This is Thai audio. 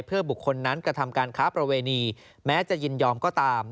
เพื่อบุคคลนั้นกระทำการค้าประเวณีแม้จะยินยอมก็ตาม